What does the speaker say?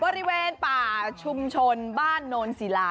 ก็ริเวณป่าชุมชนบ้านนลศีรา